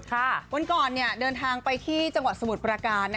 วันก่อนเดินทางไปที่จังหวัดสมุทรประการ